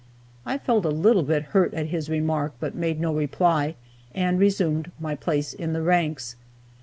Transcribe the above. I felt a little bit hurt at his remark, but made no reply, and resumed my place in the ranks.